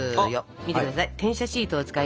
見て下さい。